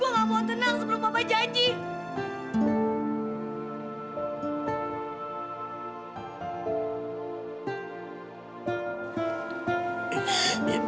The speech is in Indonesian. gua gak mau tenang sebelum papa janji